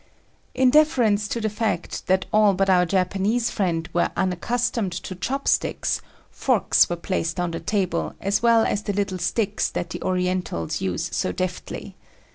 In deference to the fact that all but our Japanese friend were unaccustomed to chopsticks, forks were placed on the table as well as the little sticks that the Orientals use so deftly.